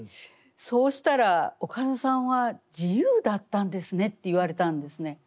そうしたら「岡田さんは自由だったんですね」って言われたんですね。